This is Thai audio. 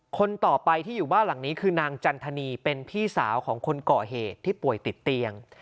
คนต่อไปที่อยู่บ้านหลังนี้คือนางจันทนีเป็นพี่สาวของคนก่อเหตุที่ป่วยติดเตียง